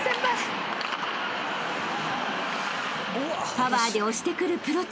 ［パワーで押してくるプロチーム］